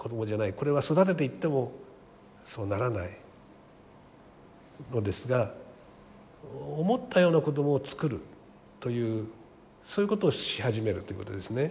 これは育てていってもそうならないのですが思ったような子供を作るというそういうことをし始めるということですね。